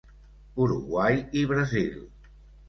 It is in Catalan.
Uruguai i Brasil.